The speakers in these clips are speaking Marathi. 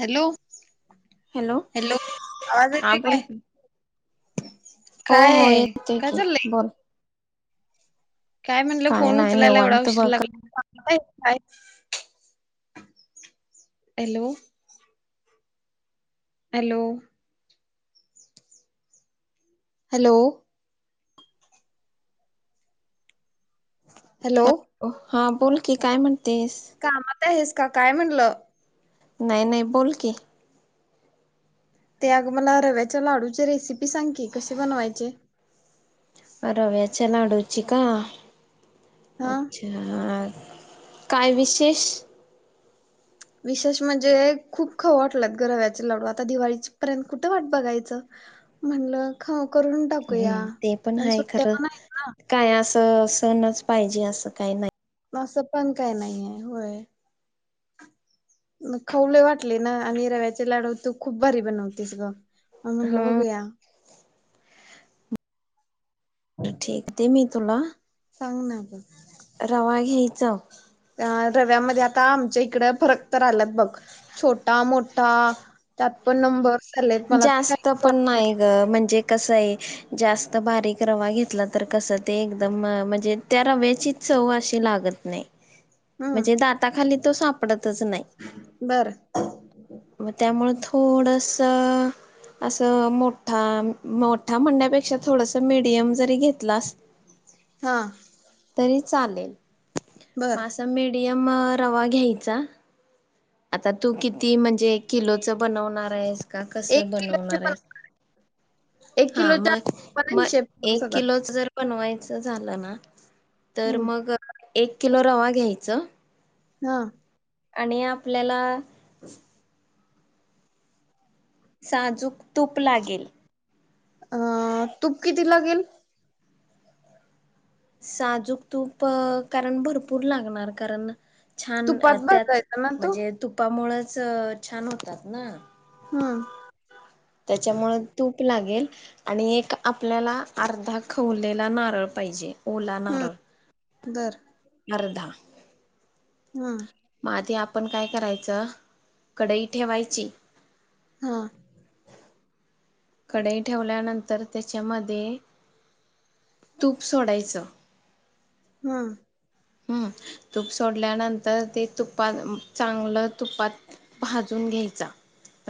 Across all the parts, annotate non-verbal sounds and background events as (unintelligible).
हॅलो हॅलो आवाज हा येते बोल काय? की. हो काय हो आहे? येतोय काय की चाललंय बोल. काय म्हटलं फोन नाही उचलायला एवढा निवांत उशीर बघ लागला. (unintelligible) Hello hello hello hello? हां बोल की काय म्हणतेस. कामात आहेस का काय म्हणलं? नाही- नाही बोल की. ते अग मला रव्याच्या लाडूची रेसिपी सांग की, कसे बनवायचे? रव्या च्या लाडूची का? हा अच्छा हा काय विशेष? विशेष म्हणजे, खूप खावू वाटल्यात ग रव्याचे लाडू, आता दिवाळीच पर्यंत कुठं वाट बघायचं म्हणलं खा हम्म ते पण आहे खरं. पण आहेत काय असं त सणच पाहिजे असं काही नाही. असं पण काय नाही, होय. म खावू लय वाटले ना आणि रव्याचे लाडू तू खूप भारी बनवतीस गं. म म्हणलं हा बघूया. ठीकते मी तुला, सांग ना ग. रवा घ्यायच, त्या रव्यामध्ये आता आमच्या इकड फरक तर आल्यात बघ. छोटा, मोठा त्यात पण नंबर जास्त पण नाही ग म्हणजे, कसय जास्त बारीक रवा घेतला तर, कस ते एकदम म म्हणजे त्या रव्याची चव अशी लागत नाही. हम्म म्हणजे दाताखाली तो सापडत च नाही. बर म त्यामुळ थो थोडस अ असं मोठा - मोठा म्हणण्यापेक्षा, थोडस मीडियम जरी घेतलास, हा तरी चालेल. बर म आस मिडी एम रवा घ्यायचा, आता तू किती म्हणजे किलोच बनवणारयस. का कस एक किलोचे पण बनवणारय. एक हा किलोच्या म पण म हिशेब करू एक सगळं किलोच जर बनवायचं झालं ना, तर हम्म मग एक किलो रवा घ्यायचं, हा आणि आपल्याला साजूक तूप लागेल. अं तूप किती लागेल? साजूक तूप, कारण भरपूर लागणार कारण छान तुपात त्याच भाजायचा ना तो म्हणजे तुपामुळेच चं छान होतात ना. हा त्याच्यामुळे तूप लागेल. आणि एक आपल्याला अर्धा खवलेला नारळ पाहिजे. ओला हम्म नारळ, बर, अर्धा, हम मग आधी आपण काय करायचं कडई ठेवायची. हा कढाई ठेवल्यानंतर त्याच्यामध्ये तूप सोडायचं. हम् हम्म तूप सोडल्यानंतर ते तुपात चांगलं तुपात भाजून घ्यायचा.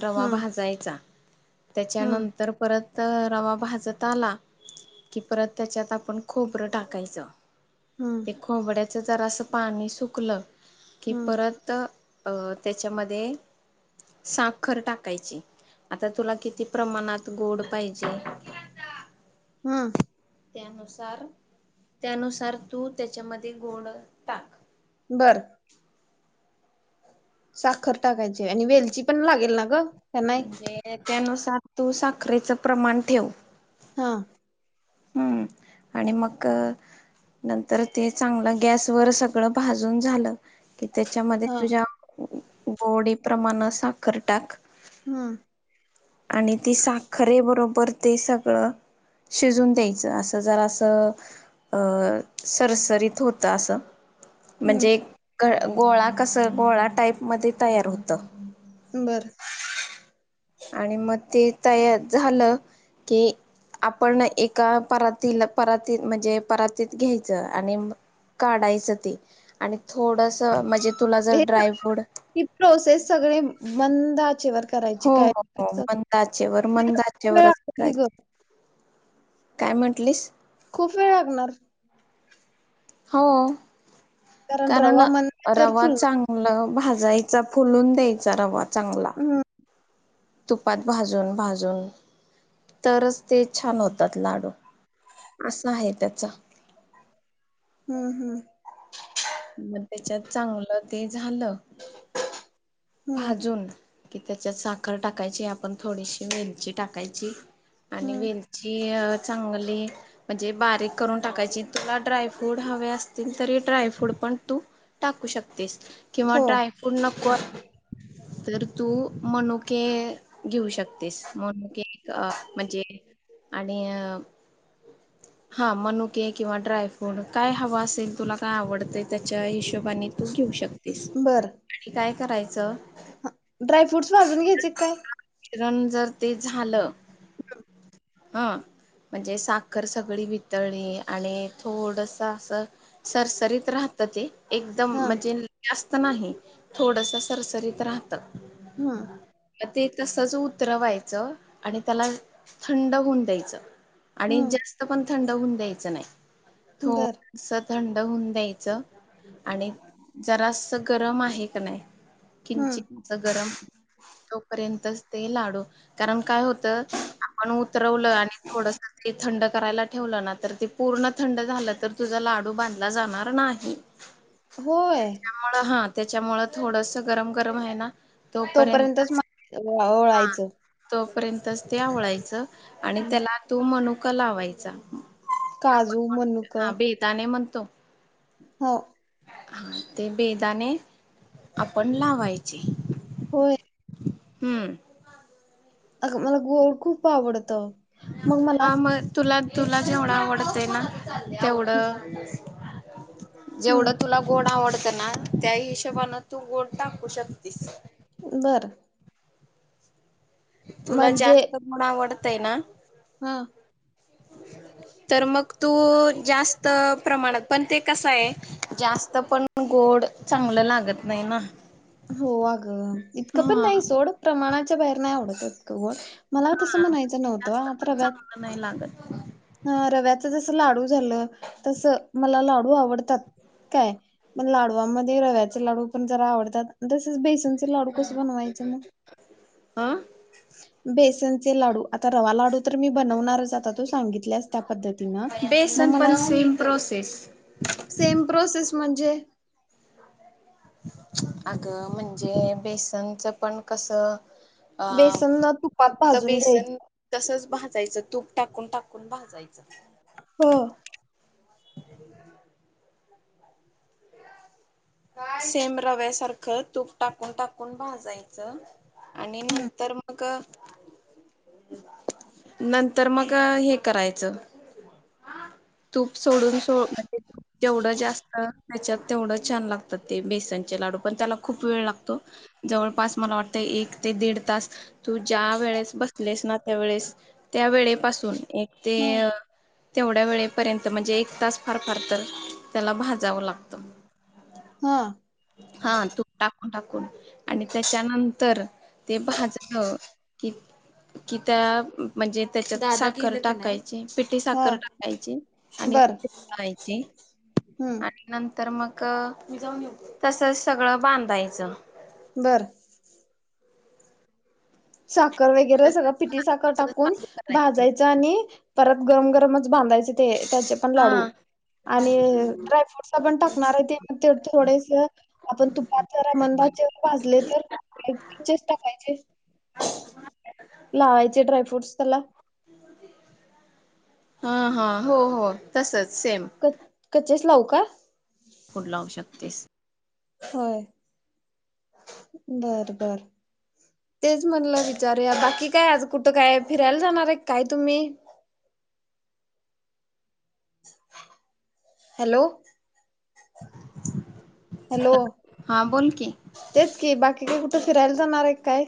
रवा हम्म भाजायचा. हम्म त्याच्यानंतर परत तर रवा भाजत आला की, परत त्याच्यात आपण खोबरं टाकायचं. हम खोबर्याच जरा असं पाणी सुकलं की हम्म परत, अ त्याच्यामध्ये साखर टाकायची, आता तुला किती प्रमाणात गोड पाहिजे. हम त्यानुसार त्यानुसार तू त्याच्यामध्ये गोड टाक. बरं, साखर टाकायची आणि वेलची पण लागेल ना, गं म्हणजे त्यानुसार, तू साखरेचं प्रमाण ठेव. हा हम् आणि मग नंतर ते चांगलं गॅसवर सगळं भाजून झालं की त्याच्यामध्ये हा तुझ्या गोडी प्रमाण साखर टाक हम्म आणि ती साखरे बरोबर ते सगळं शिजून द्यायचं असं जरा असं अं सरसरीत होतं असं म्हणजे हम्म गोळा कस गोळा टाईप मध्ये तयार होत बरं. आणि मग ते तया झालं की आपण एका परातीला परातीत म्हणजे परातीत घ्यायचं आणि काढायचं ते आणि थोडस म्हणजे तुला जर ड्रायफ्रूट (unintelligible) ही प्रोसेस सगळी मंद आचेवर करायची हो काय हो हो असं? मंदआचेवर व वेळ मंदआचेवरच लागतो की ग करायची. काय म्हंटलीस? खूप वेळ लागणार. हो. कारण रवा मंद आचेवर रवा फुलणार चांगला भाजायचा फुलून (unintelligible) चांगला. हम्म तुपात भाजून भाजून तरच ते छान होतात लाडू अस आहे त्याच. हम. मग त्याच्यात चांगलं ते झालं हम्म भाजून कि त्याच्यात साखर टाकायची आपण थोडीशी वेलची टाकायची आणि हम्म वेलची अ चांगली म्हणजे बारीक करून टाकायची तुला ड्राय फ्रूड हवे असतील तरी ड्राय फ्रूड पण तू टाकू शकतेस. किंवा हो ड्रायफ्रूट नको तर तू मनुके घेऊ शकतेस, मनुके अ म्हणजे आणि अ हा मनुके किंवा ड्रायफूड काय हवा असेल तुला काय आवडतय त्याच्या हिशोबाने तू घेऊ शक. बर, ड्राय फ्रूटस भाजून घ्यायचे काय? किरण जर ते झालं हा म्हणजे साखर सगळी वितळी आणि थोडस असं सरसरीत राहत ते एकदम हा म्हणजे जास्त नाही थोडस सरसरीत राहत हा. मग ते तसंच उतरवायचं आणि त्याला थंड होऊन द्यायचं. आणि हम्म जास्त पण थंड होऊन द्यायचं नाही. बर थोड सत थंड होऊन द्यायचं आणि जरासं गरम आहे का नाही. हम्म किंचित गरम तोपर्यंत. ते लाडू कारण काय होतं. म्हणून उतरवलं आणि थोडंसं ते थंड. करायला ठेवलं ना तर ते पूर्ण थंड झालं तर तुझा लाडू बांधला. जाणार नाही होय त्यामुळे हा. त्याच्यामुळे थोडंस गरम गरम आहे ना. तोपर्यंत हो ओळायचं. तोपर्यंतच ते आवळायचं. आणि हं, त्याला तु मनुका. क लावायचा. काजू मनुक. तो (inaudible) हा ते बेदाने, आपण लावायचे. होय. (inaudible) हम्म अगं मला गोड खूप आवडत. आ मग तुला. तुला जेवढं आवडत ना. तेवढं. हं. जेवढं तुला गोड आवडत. ना, त्या हिशोबानें तू गोड टाक. टाकू शकतीस. बरं. तुला जास्त पण आवडतं. ते ना. हा. तर मग तु जास्त प्रमाणात पण ते कसं आहे, जास्त पण गोड चांगलं लागतं नाही ना. हो अग इतक पण हा. नाही, सोड प्रमाणात. चा बाहेर इतका आवडत नाही सोड. मला तसं हा म्हणायचं ते जास्त नव्हतं पण रव्यात. चांगलं नाही लागत ह रव्याच जसं लाडू झालं. तसं मला लाडू. हो आवडतात काय पण लाडवा मधे रव्याचे लाडू पण जरा आवडतात तसेच बेसन लाडू कस बनवायचं मग अ बेसनचे लाडू आता रवा लाडू तर मी बनवणारच. आता तू सांगी त्या पद्धतीनं मग बेसन मला पण सेम प्रोसेस सेम प्रोसेस (unintelligible) म्हणजे अग म्हणजे बेसनचं पण कस बेसन ना तुपात भाजून घ्यायचं जायचं तूप टाकून टाकून भाजायचं हो सेम रव्यासारखं तूप टाकून टाकून भाजायचं आणि हम्म नंतर मग नंतर मग हे करायचं तूप सोडून स म जेवढं जास्त त्याच्यात तेवढं छान लागत ते बेसनचे लाडू पण त्याला खूप वेळ लागतो जवळपास मला वाटतं एक ते दीड तास तू ज्या वेळेस बसलेस ना त्या वेळेस त्या वेळेपासून एक ते हम्म अ तेवढ्या वेळेपर्यंत म्हणजे एक तास फार फार तर त्याला भाजावं लागतं हा हा तूप टाक टाकून आणि त्याच्यानंतर ते भाजलं कि, कि त्या म्हणजे त्याच्यात साखर टाकायची पिटी हा साखर टाकायची आणि बर आणि हम्म नंतर मग का तसच सगळं बांधायचं बरं साक साखर वगैरे सगळं पिठी साखर टाकून चालू करायची भाजायच आणि परत गरम ग बांधयचेत ते त्याचे पण हा लाडू आणि ड्रायफ्रूट पण टाकणार आहे ते, ते थोडेस आपण तुपात जरा मंद आचेवर भाजले तर कच्चेच टाकायचे लावायचे ड्राय फ्रूट्स त्याला हा, हा हो, हो तसच सेम कचेस लावू का पुढ लाव शकतेस होय बर बर तेच म्हटलं विचारूया बाकी काय आज कुठं काय फिरायला जाणार आहे काय तुम्ही हॅलो हॅलो हा बोल की तेच कि बाकी ह फिरायला जाणार आहे काय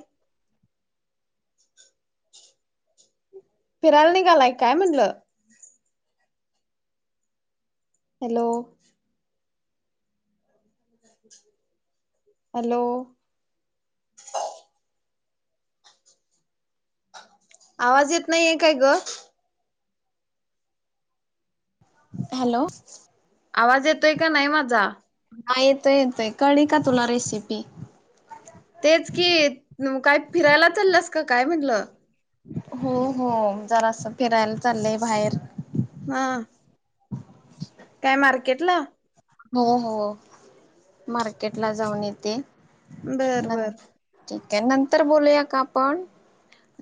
फिरायला निघालाय काय म्हणलं हॅलो हॅलो आवाज येत नाहीये काय ग हॅलो आवाज येतोय का नाही माझा हा येत येतय कळी का तुला रेसिपी तेच की काही फिरायला चाललंस क काय म्हटलं हो, हो जरा असं फिरायला चाललंय बाहेर हा काय मार्केटला हो, हो मार्केट ला जाऊन येते बर न बर ठीक नंतर बोलूया का आपण?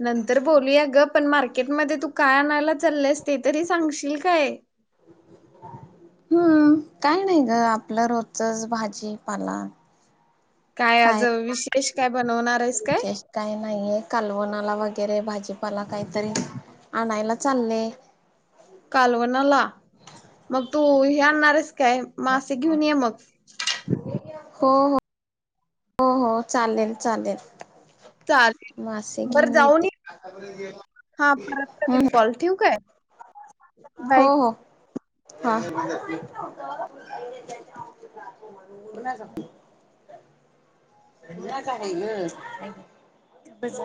नंतर बोलूया ग पण मार्केटमध्ये तू काय आणायला चालंस ते तरी सांगशील काय? हम्म काय नाही ग आपलं रोजचच भाजीपालन. काय आज विशेष काय बनवणार आहेस काय? विशेष नाहीये कालवणाला वगैरे भाजीपाला काहीतरी आणायला चालले. कालवणाला मग. तू हे आणणार काय मासे घेऊन ये मग. हो हो हो हो चालेल चालेल. मासे चालेल बरं घेऊन जाऊन येते हा परत करन हम्म कॉल ठठीूक आहे? हो हो. हा.